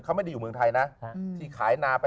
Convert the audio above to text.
เขาไม่ได้อยู่เมืองไทยนะ